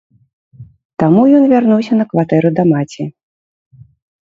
Таму ён вярнуўся на кватэру да маці.